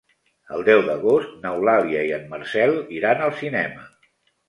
El deu d'agost n'Eulàlia i en Marcel iran al cinema.